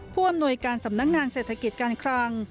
ผู้อำนวยการสำนักงานเศรษฐกิจการคลัง